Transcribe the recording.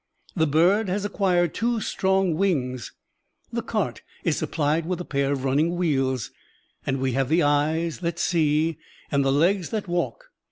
The bird has acquired two strong wings, the cart is supplied with a pair of running wheels, and we have the eyes that see and the legs that walk.